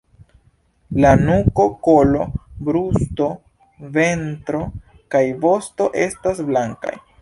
La nuko, kolo, brusto, ventro kaj vosto estas blankaj.